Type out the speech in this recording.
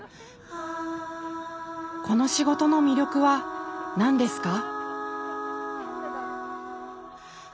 この仕事の魅力は何ですか？